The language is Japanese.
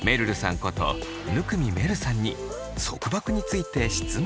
こと生見愛瑠さんに束縛について質問が。